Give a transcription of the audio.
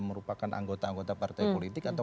merupakan anggota anggota partai politik atau